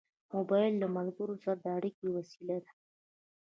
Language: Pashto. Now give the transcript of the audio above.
موبایل له ملګرو سره د اړیکې وسیله ده.